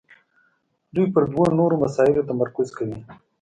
دوی پر دوو نورو مسایلو تمرکز کوي.